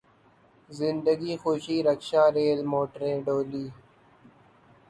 زندگی خوشی rickshaw rail موٹریں ڈولی